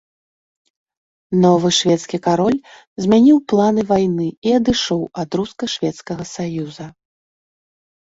Новы шведскі кароль змяніў планы вайны і адышоў ад руска-шведскага саюза.